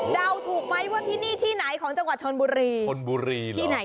เดาถูกไหมตรงที่นี่ที่ไหนของชนบุรี